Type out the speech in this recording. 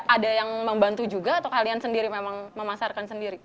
ada yang membantu juga atau kalian sendiri memang memasarkan sendiri